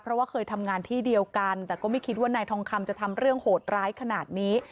เพราะว่าเคยทำงานที่เดียวกันแต่ก็ไม่คิดว่านายทองคำจะทำเรื่องโหดร้ายขนาดนี้